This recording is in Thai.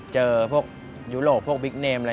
เจอพวกยุโรปพวกบิ๊กเนมอะไร